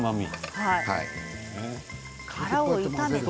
殻を炒めて。